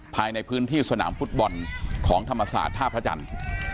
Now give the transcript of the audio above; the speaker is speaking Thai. ภายในพื้นที่สนามฟุตบอลของธรรมศาสตร์ท่าพระจันทร์